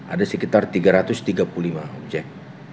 ada sekitar tiga ratus tiga puluh lima objek